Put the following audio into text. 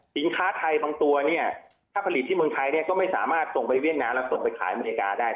สินค้าไทยบางตัวถ้าผลิตในเมืองไทยก็ไม่สามารถส่งไปเวียดนามและสนไปขายอเมริกาได้